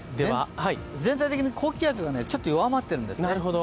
全体的に高気圧がちょっと弱まっているんですね。